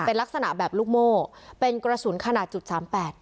เป็นลักษณะแบบลูกโม่เป็นกระสุนขนาดจุดสามแปด